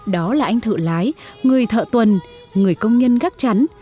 đó là anh thợ lái người thợ tuần người công nhân gác chắn